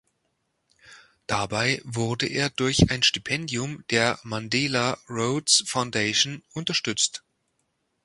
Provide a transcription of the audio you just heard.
Dabei wurde er durch ein Stipendium der Mandela Rhodes Foundation unterstützt.